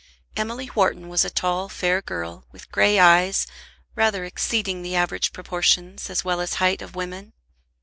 Emily Wharton was a tall, fair girl, with grey eyes, rather exceeding the average proportions as well as height of women.